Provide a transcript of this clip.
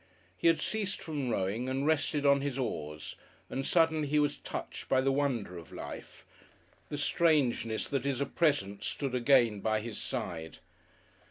He had ceased from rowing and rested on his oars, and suddenly he was touched by the wonder of life, the strangeness that is a presence stood again by his side.